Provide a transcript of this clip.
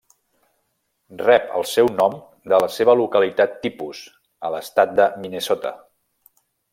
Rep el seu nom de la seva localitat tipus, a l'estat de Minnesota.